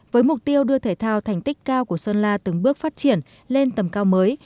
với mục tiêu đưa thể thao thành tích cao của sơn la từng bước phát triển lên tầm cao mới